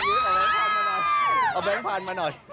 เอาแบงค์พันมาหน่อย